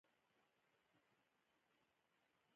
د سوداګرۍ وزارت د تجارانو لپاره څه کوي؟